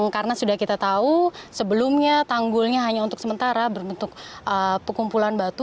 karena sudah kita tahu sebelumnya tanggulnya hanya untuk sementara berbentuk pekumpulan batu